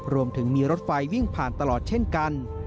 รวมถึงมีรถไฟวิ่งผ่านตลอดเช่นกัน